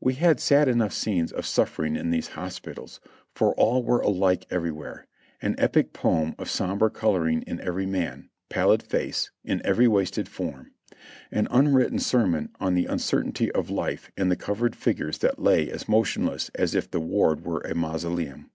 We had sad enough scenes of suffering in these hospitals, for all were alike everywhere ; an epic poem of sombre coloring in every wan. pallid face, in every wasted form; an unwritten ser mon on the uncertainty of life in the covered figures that lay as motionless as if the ward were a mausoleum.